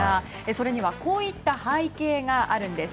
それにはこういった背景があるんです。